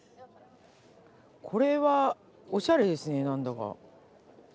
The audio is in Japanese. これはおしゃれですね何だか。